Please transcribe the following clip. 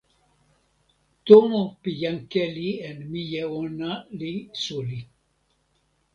tomo pi jan Keli en mije ona li suli.